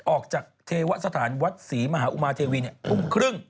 ออกจากเทวะสถานวัตถ์ศรีมหาวมาโทวีครึ่ง